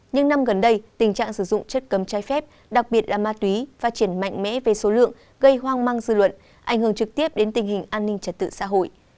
những năm gần đây tình trạng sử dụng chất cấm trái phép đặc biệt là ma túy phát triển mạnh mẽ về số lượng gây hoang mang dư luận ảnh hưởng trực tiếp đến tình hình an ninh trật tự xã hội